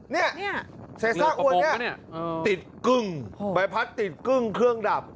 เนี่ยเศษซ่าอ้วนเนี่ยติดกึ้งใบพัดติดกึ้งเครื่องดับ